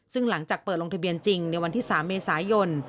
ซึ่งหลังจากเปิดลงทะเบียนจริงในวันที่๓เมษายน